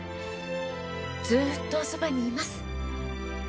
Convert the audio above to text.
ずーっとおそばにいます。